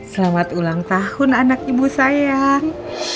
selamat ulang tahun anak ibu sayang